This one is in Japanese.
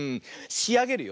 しあげるよ。